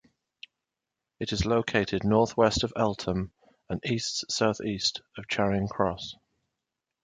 It is located north west of Eltham and east south-east of Charing Cross.